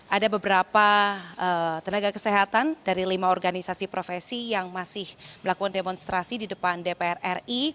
ada beberapa tenaga kesehatan dari lima organisasi profesi yang masih melakukan demonstrasi di depan dpr ri